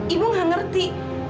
ibu gak ngerti